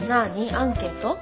アンケート？